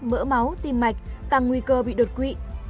mỡ máu tim mạch tăng nguy cơ bị đột quỵ